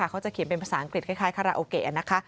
เขาจะเขียนเป็นภาษาอังกฤษคล้ายคาราโอเกะนะคะ